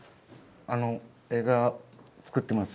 あの映画作ってます